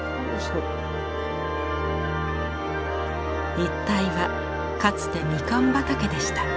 一帯はかつてみかん畑でした。